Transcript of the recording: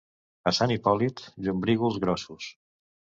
A Sant Hipòlit, llombrígols grossos.